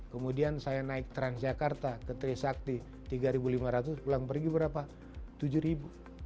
kemudian saya naik transjakarta ke trisakti rp tiga lima ratus pulang pergi berapa rp tujuh